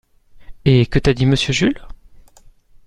Et que t’a dit Monsieur Jules ?